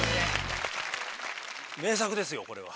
名作ですよこれは。